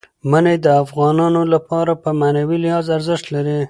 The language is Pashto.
منی د افغانانو لپاره په معنوي لحاظ ارزښت لري.